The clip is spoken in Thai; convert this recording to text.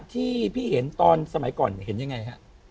ที่พี่เห็นตอนสมัยก่อนเห็นยังไงฮะ